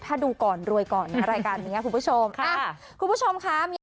ถ้าดูก่อนรวยก่อนในรายการนี้คุณผู้ชม